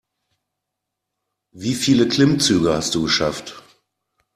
Wie viele Klimmzüge hast du geschafft?